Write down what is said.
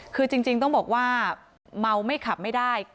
คือจริงต้องบอกว่าเมาไม่ขับไม่ได้